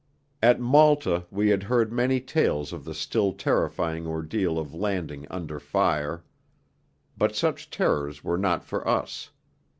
At Malta we had heard many tales of the still terrifying ordeal of landing under fire. But such terrors were not for us.